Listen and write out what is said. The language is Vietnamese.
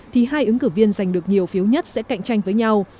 thì hai ứng cử viên giành được nhiều phiếu nhất sẽ cạnh tranh với nhau